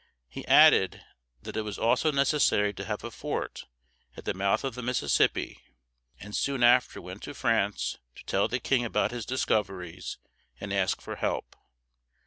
He added that it was also necessary to have a fort at the mouth of the Mississippi, and soon after went to France to tell the king about his discoveries, and ask for help.